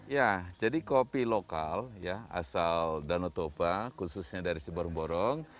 ya jadi kopi lokal ya asal danau toba khususnya dari siborong borong